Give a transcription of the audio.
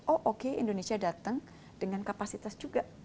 oh oke indonesia datang dengan kapasitas juga